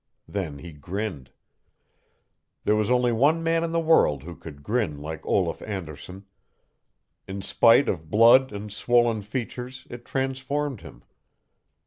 Then he grinned. There was only one man in the world who could grin like Olaf Anderson. In spite of blood and swollen features it transformed him.